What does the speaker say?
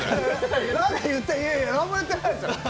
いえいえ、何も言ってないですよ。